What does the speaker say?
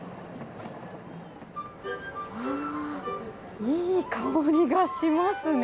うわー、いい香りがしますね。